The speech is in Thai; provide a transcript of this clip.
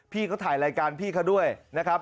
พี่เขาถ่ายรายการพี่เขาด้วยนะครับ